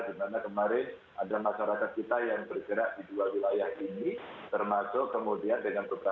dimana kemarin ada masyarakat kita yang bergerak di dua wilayah ini termasuk kemudian dengan beberapa sosial yang kota ya